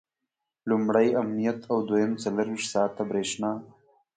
لومړی امنیت او دویم څلرویشت ساعته برېښنا.